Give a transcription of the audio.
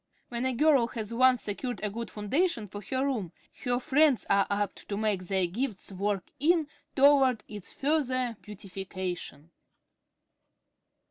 When a girl has once secured a good foundation for her room, her friends are apt to make their gifts work in toward its further beautification.